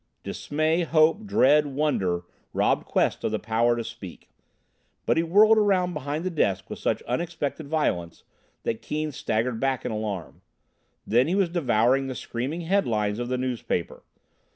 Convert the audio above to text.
Dismay, hope, dread, wonder robbed Quest of the power to speak. But he whirled around behind the desk with such unexpected violence that Keane staggered back in alarm. Then he was devouring the screaming headlines of the newspaper.